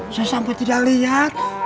saya sampai tidak lihat